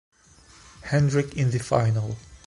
Hendrick in the final.